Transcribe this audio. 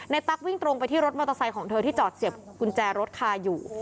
ตั๊กวิ่งตรงไปที่รถมอเตอร์ไซค์ของเธอที่จอดเสียบกุญแจรถคาอยู่